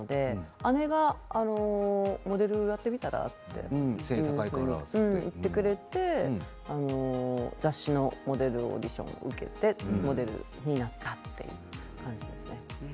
姉がモデルをやってみたらって言ってくれて雑誌のモデルオーディションを受けてモデルになったっていう感じです。